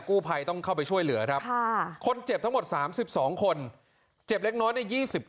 กู้ภัยต้องเข้าไปช่วยเหลือครับคนเจ็บทั้งหมด๓๒คนเจ็บเล็กน้อยใน๒๙